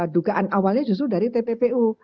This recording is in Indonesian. dugaan awalnya justru dari tppu